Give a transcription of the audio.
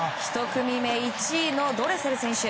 １組目１位のドレセル選手。